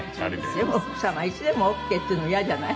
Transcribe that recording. でも奥様いつでもオーケーっていうのは嫌じゃない？